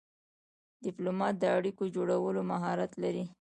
ډيپلومات د اړیکو جوړولو مهارت لري.